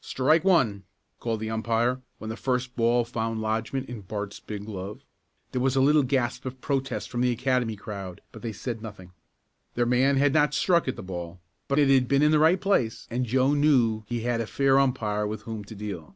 "Strike one!" called the umpire, when the first ball found lodgment in Bart's big glove. There was a little gasp of protest from the Academy crowd, but they said nothing. Their man had not struck at the ball, but it had been in the right place and Joe knew he had a fair umpire with whom to deal.